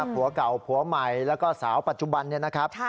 ผัวเก่าผัวใหม่แล้วก็สาวปัจจุบันเนี่ยนะครับ